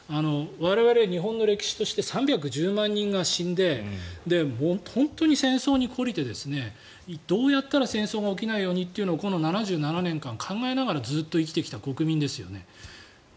我々、日本の歴史として３１０万人が死んで本当に戦争に懲りてどうやったら戦争が起きないようにとこの７７年間考えながらずっと生きてきた国民ですよね。